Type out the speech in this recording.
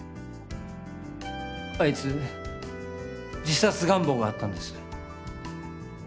あいつ自殺願望があったんです。